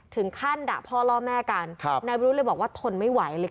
ถึงขั้นด่าพ่อล่อแม่กันครับนายบรุษเลยบอกว่าทนไม่ไหวเลยค่ะ